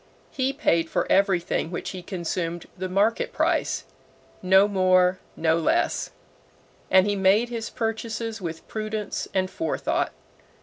He paid for everything which he consumed the market price no more, no less and he made his purchases with prudence and forethought.